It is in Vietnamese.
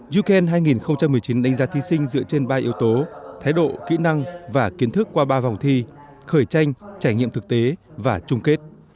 you can hai nghìn một mươi chín đánh giá thí sinh dựa trên ba yếu tố thái độ kỹ năng và kiến thức qua ba vòng thi khởi tranh trải nghiệm thực tế và chung kết